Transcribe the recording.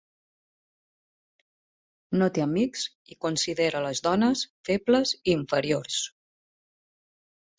No té amics, i considera les dones febles i inferiors.